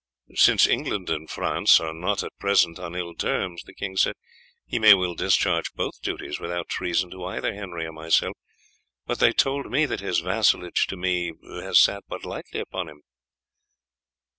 "Since England and France are not at present on ill terms," the king said, "he may well discharge both duties without treason to either Henry or myself; but they told me that his vassalage to me has sat but lightly upon him."